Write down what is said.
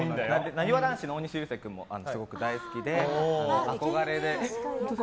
なにわ男子の大西流星君もすごく大好きで憧れで。